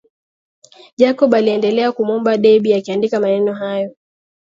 Jacob aliendelea kumuomba Debby akiandika maneno hayo